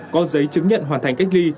có giấy chứng nhận hoàn thành cách ly